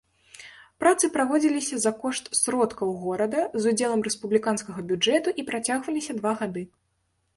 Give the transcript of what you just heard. Працы праводзіліся за кошт сродкаў горада з удзелам рэспубліканскага бюджэту і працягваліся два гады.